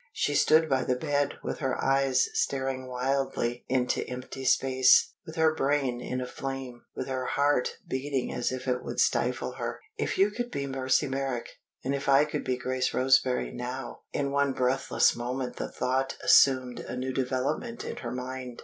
She stood by the bed with her eyes staring wildly into empty space; with her brain in a flame; with her heart beating as if it would stifle her. "If you could be Mercy Merrick, and if I could be Grace Roseberry, now!" In one breathless moment the thought assumed a new development in her mind.